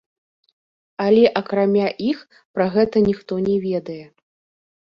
Але акрамя іх, пра гэта ніхто не ведае.